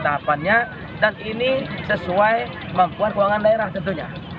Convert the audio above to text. tahapannya dan ini sesuai kemampuan keuangan daerah tentunya